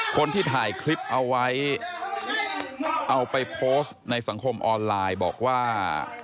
คนที่ถ่ายคลิปเอาไว้เอาไปโพสต์ในสังคมออนไลน์บอกว่า